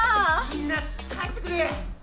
・みんな帰ってくれ。